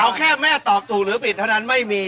เอาแค่แม่ตอบถูกหรือผิดเท่านั้นไม่มี